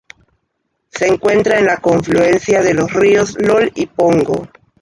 Se encuentra en la confluencia de los ríos Lol y Pongo.